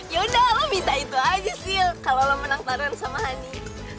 yaudah lo minta itu aja sil kalau lo menang tarian sama honey